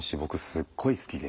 すっごい好きで。